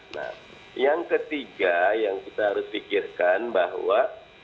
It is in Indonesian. nah yang ketiga yang kita harus pikirkan bahwa